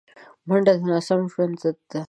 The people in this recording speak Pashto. منډه د ناسم ژوند ضد ده